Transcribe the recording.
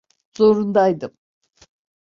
Zorundaydım.